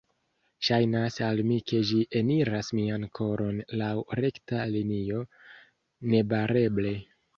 Ŝajnas al mi ke ĝi eniras mian koron laŭ rekta linio, nebareble.